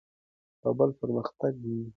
کابل پرمختګ ویني.